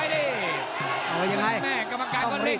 ต้องอย่างไรล่ะเดินเข้าไปดิ